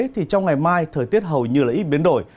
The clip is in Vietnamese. thì trong ngày mai thời tiết hầu như là ít biến đổi